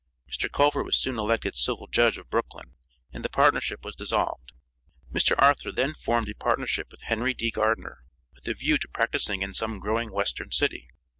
Mr. Culver was soon elected civil judge of Brooklyn, and the partnership was dissolved. Mr. Arthur then formed a partnership with Henry D. Gardiner, with a view to practicing in some growing Western city.